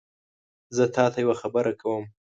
زه تاته یوه خبره کوم